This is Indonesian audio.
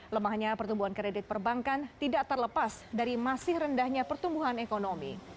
lemahnya pertumbuhan kredit perbankan tidak terlepas dari masih rendahnya pertumbuhan ekonomi